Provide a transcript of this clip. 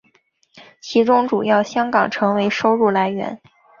其中主要香港成为收入来源。